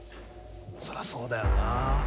そらそうだよな。